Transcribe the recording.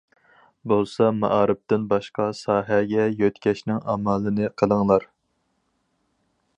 بولسا مائارىپتىن باشقا ساھەگە يۆتكەشنىڭ ئامالىنى قىلىڭلار.